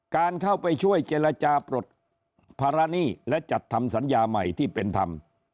การเข้าไปช่วยเจรจาปลดภาระหนี้และจัดทำสัญญาใหม่ที่เป็นธรรม